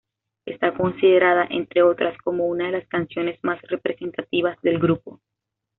Está considerada, entre otras, como una de las canciones más representativas del grupo.